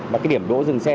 và cái điểm đỗ rừng xe